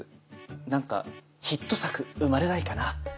何かヒット作生まれないかなと思ってね。